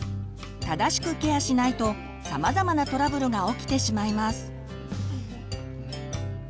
正しくケアしないとさまざまなトラブルが起きてしまいます。